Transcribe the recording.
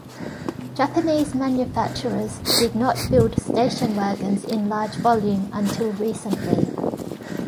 Japanese manufacturers did not build station wagons in large volume until recently.